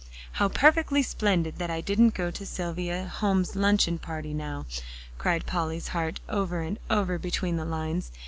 "How perfectly splendid that I didn't go to Silvia Home's luncheon party now!" cried Polly's heart over and over between the lines.